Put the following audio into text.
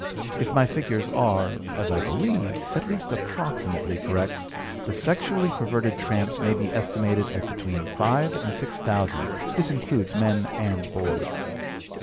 If my figures are, as I believe, at least approximately correct, the sexually perverted tramps may be estimated at between five and six thousand; this includes men and boys.